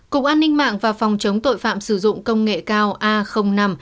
cục an ninh mạng và phòng chống tội phạm sử dụng công nghệ cao a năm